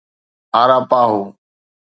اَراپاهو